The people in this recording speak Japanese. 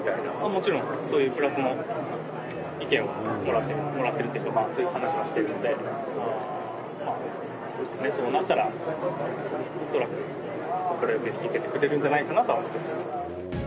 もちろん、そういうプラスの意見はもらってるというか、そういう話はしているので、そうなったら、恐らく快く引き受けてくれるんじゃないかなと思います。